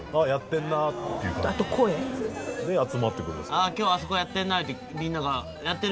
ああ今日あそこやってんな言うてみんなが「やってる？」